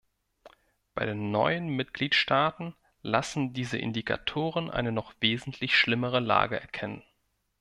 Bei den neuen Mitgliedstaaten lassen diese Indikatoren eine noch wesentlich schlimmere Lage erkennen.